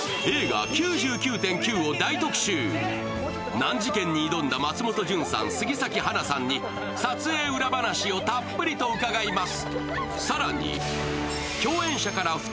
難事件に挑んだ松本潤さん、杉咲花さんに撮影裏話をたっぷりと伺います。